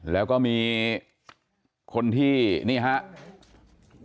แล้วก็มีคนที่นี่ครับ